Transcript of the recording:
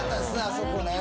あそこね